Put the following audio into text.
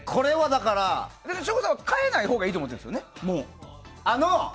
省吾さんは変えないほうがいいと思っているんですよね。